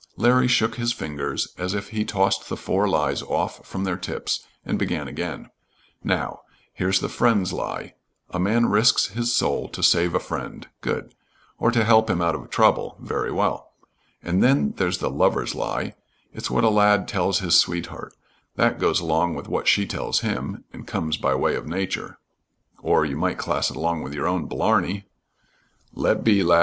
Larry shook his fingers as if he tossed the four lies off from their tips, and began again. "Now. Here's the friend's lie a man risks his soul to save a friend good or to help him out of trouble very well. And then there's the lover's lie, it's what a lad tells his sweetheart that goes along with what she tells him and comes by way of nature " "Or you might class it along with your own blarney." "Let be, lad.